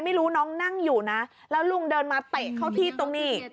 ไม่รู้น้องนั่งอยู่นะแล้วลุงเดินมาเตะเข้าที่ตรงนี้